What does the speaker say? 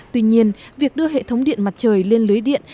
tuy nhiên việc đưa hệ thống điện mặt trời lên lưới điện